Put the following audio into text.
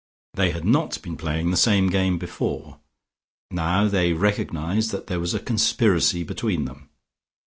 They had not been playing the same game before. Now they recognised that there was a conspiracy between them....